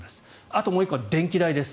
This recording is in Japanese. あと、もう１個は電気代です。